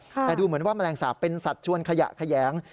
แต่ดูเหมือนว่าแมลงสาปเป็นสัดชวนขยะแขยง